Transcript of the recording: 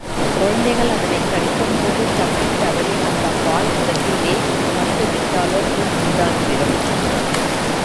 குழந்தைகள் அதனைக் கடிக்கும் போது தப்பித் தவறி அந்தப் பால் உதட்டிலே பட்டுவிட்டாலே புண் உண்டாகிவிடும்.